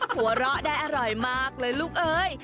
หัวเราะได้อร่อยมากเลยลูกเอ้ย